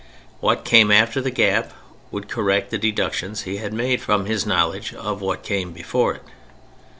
What came after the gap would correct the deductions he had made from his knowledge of what came before it.